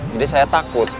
jadi saya takut